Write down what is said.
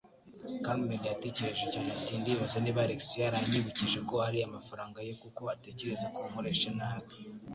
Carmen yatekereje cyane ati: "Ndibaza niba Alex yaranyibukije ko ari amafaranga ye kuko atekereza ko nkoresha nabi."